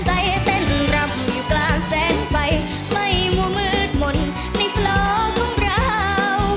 ใจเต้นรำอยู่กลางแสงไฟไม่มั่วมืดมนต์ในกลองของเรา